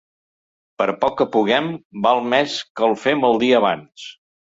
Per poc que puguem, val més que el fem el dia abans.